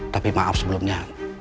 tapi maaf sebelumnya